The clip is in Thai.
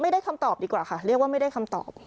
ไม่ได้คำตอบดีกว่าค่ะเรียกว่าไม่ได้คำตอบ